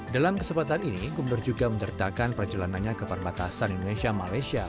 dalam kesempatan ini gubernur juga mencertakan perjalanannya ke perbatasan indonesia malaysia